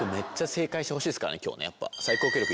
今日ねやっぱ。